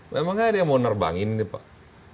memang nggak ada yang mau nerbangin nih pak